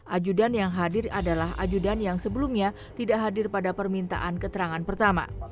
ajudan yang hadir adalah ajudan yang sebelumnya tidak hadir pada permintaan keterangan pertama